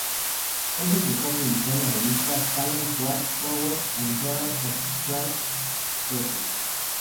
Pronto empezó a publicar la revista "Zion’s Watch Tower and Herald of Christ’s Presence".